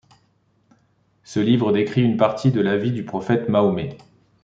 Ce livre décrit une partie de la vie du prophète Mahomet.